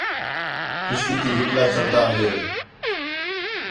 کشتی تی ہِکلا چڑھدا ہِے